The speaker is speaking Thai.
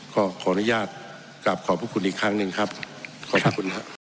ก็ขออนุญาตกลับขอบพระคุณอีกครั้งหนึ่งครับขอบคุณครับ